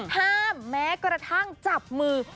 แม้กระทั่งจับมือ